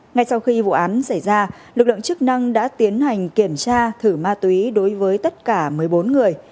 ngay sau khi vụ án xảy ra lực lượng chức năng đã tiến hành kiểm tra thử ma túy đối với tất cả một mươi bốn người